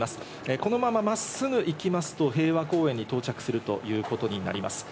このまま真っすぐ行きますと、平和公園に到着するということになります。